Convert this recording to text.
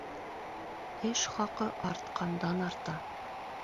Эш хаҡы артҡандан-арта.